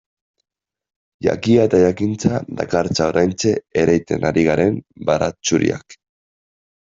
Jakia eta jakintza dakartza oraintxe ereiten ari garen baratxuriak.